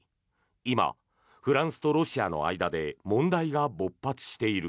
今、フランスとロシアの間で問題が勃発している。